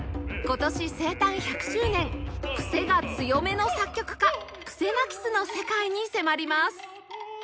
今年生誕１００周年クセが強めの作曲家クセナキスの世界に迫ります